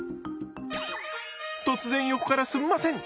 突然横からすんません。